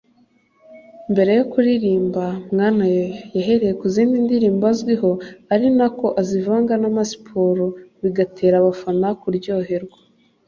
Mbere yo kuririmba ‘Mwana Yoyo’ yahereye ku zindi ndirimbo azwiho ari nako azivanga n’amasiporo bigatera abafana kuryoherwa